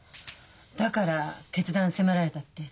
だから「決断迫られた」って？